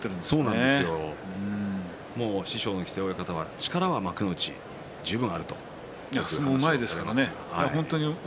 師匠の木瀬親方は力は幕内、十分あると言っていました。